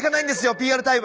ＰＲタイム。